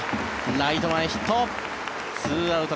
ライト前ヒット。